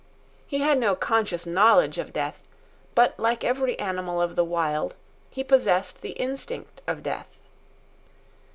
He had no conscious knowledge of death, but like every animal of the Wild, he possessed the instinct of death.